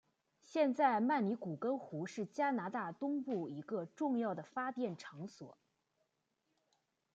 现在曼尼古根湖是加拿大东部一个重要的发电场所。